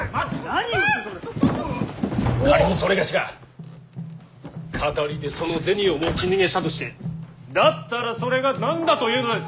仮に某が騙りでその銭を持ち逃げしたとしてだったらそれが何だというのです。